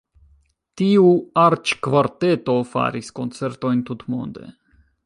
Tiu arĉkvarteto faris koncertojn tutmonde.